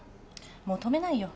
もう止めないよ。